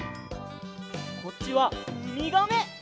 こっちはウミガメ！